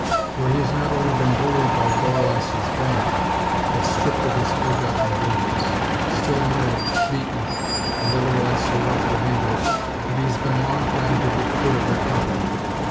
For he has not only been bullied by Borlasse's band, but stripped of his ill gotten gains. Still more, beaten, and otherwise so roughly handled that he has been long trying to get quit of their company.